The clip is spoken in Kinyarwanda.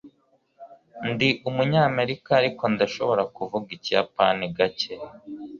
ndi umunyamerika, ariko ndashobora kuvuga ikiyapani gake